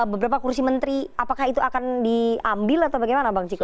beberapa kursi menteri apakah itu akan diambil atau bagaimana bang ciko